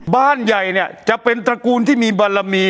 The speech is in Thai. บ้านใหญ่เนี่ยจะเป็นตระกูลที่มีบารมี